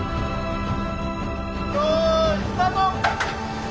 よいスタート！